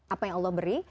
apa yang allah beri